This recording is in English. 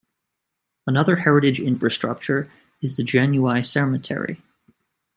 Another heritage infrastructure is the Janiuay Cemetery.